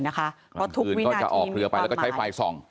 เพราะทุกวินาทีมีประมาณ